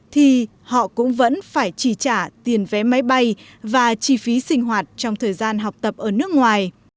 thì họ cũng vẫn phải chi trả tiền vé máy bay và chi phí sinh hoạt trong thời gian học tập ở nước ngoài